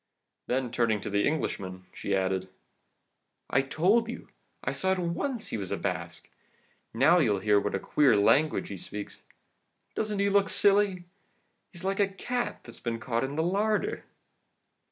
Then turning to the Englishman, she added: "'I told you so. I saw at once he was a Basque. Now you'll hear what a queer language he speaks. Doesn't he look silly? He's like a cat that's been caught in the larder!